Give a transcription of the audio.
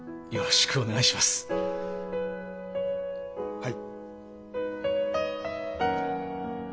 はい。